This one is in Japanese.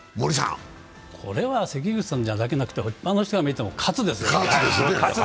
これは関口さんだけじゃなくて一般の人が見ても喝ですよ。